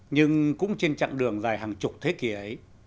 nhưng cũng trên chặng đường dài hàng chục thế kỷ ấy